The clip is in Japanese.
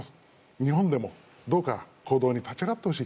日本でもどうか行動に立ち上がってほしい。